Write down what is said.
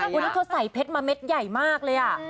วันนี้เธอใส่เพชรมาเม็ดใหญ่มากเลย